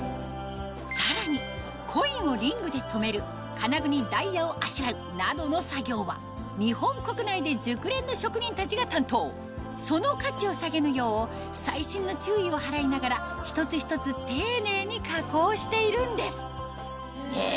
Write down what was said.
さらにコインをリングで留める金具にダイヤをあしらうなどの作業は日本国内で熟練の職人たちが担当その価値を下げぬよう細心の注意を払いながら一つ一つ丁寧に加工しているんですへぇ！